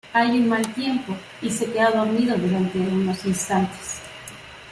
Hay un mal tiempo, y se queda dormido durante unos instantes.